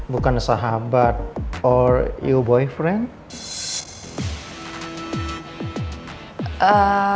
bukan sahabat atau temen lo